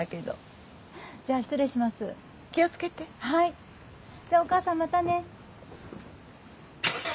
じゃお母さんまたね。